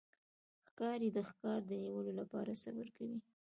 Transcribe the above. ښکاري د ښکار د نیولو لپاره صبر کوي.